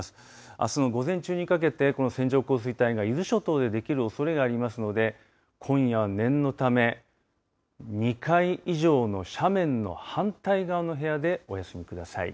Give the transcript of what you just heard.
あすの午前中にかけてこの線状降水帯が伊豆諸島でできるおそれがありますので今夜は念のため２階以上の斜面の反対側の部屋でお休みください。